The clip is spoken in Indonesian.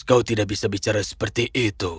kau tidak bisa bicara seperti itu